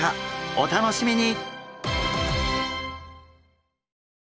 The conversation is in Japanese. お楽しみに！